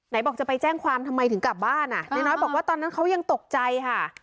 บอกจะไปแจ้งความทำไมถึงกลับบ้านอ่ะนายน้อยบอกว่าตอนนั้นเขายังตกใจค่ะ